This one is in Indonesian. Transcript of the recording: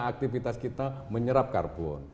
aktivitas kita menyerap karbon